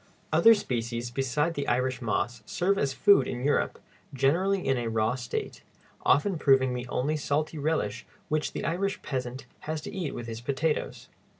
Other species beside the Irish moss serve as food in Europe, generally in a raw state, often proving the only salty relish which the Irish peasant has to eat with his potatoes.